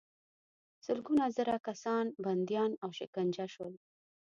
سلګونه زره کسان بندیان او شکنجه شول.